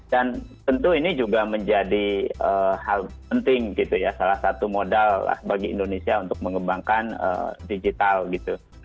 dan tentu ini juga menjadi hal penting gitu ya salah satu modal bagi indonesia untuk mengembangkan digital gitu